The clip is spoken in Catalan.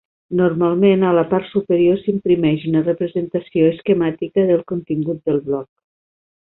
Normalment, a la part superior s'imprimeix una representació esquemàtica del contingut del bloc.